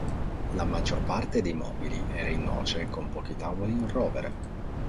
La maggior parte dei mobili era in noce con pochi tavoli in rovere.